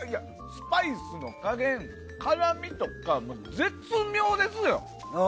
スパイスの加減、辛みとか絶妙ですよ。